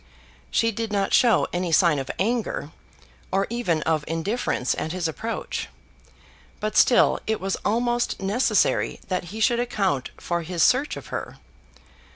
She did not show any sign of anger, or even of indifference at his approach. But still it was almost necessary that he should account for his search of her.